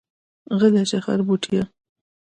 غلی شه خربوټيه.